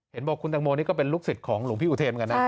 เห็นป่ะคุณแต่งโมนี่ก็เป็นลูกศิษย์ของหลวงพี่อุเทมกันนะ